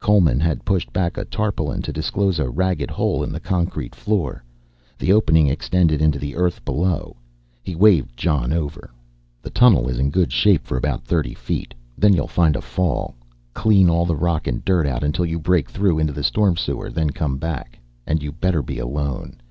Coleman had pushed back a tarpaulin to disclose a ragged hole in the concrete floor, the opening extended into the earth below. He waved Jon over. "The tunnel is in good shape for about thirty feet, then you'll find a fall. Clean all the rock and dirt out until you break through into the storm sewer, then come back. And you better be alone.